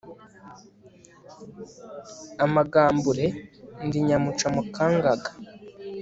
amagambure ndi nyamuca mu gakangaga